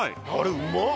うまっ！